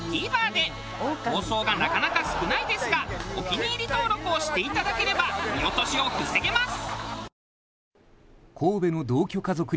放送がなかなか少ないですがお気に入り登録をしていただければ見落としを防げます。